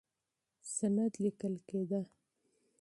سند لیکل کېده.